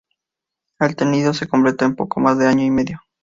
El tendido se completó en poco más de año y medio.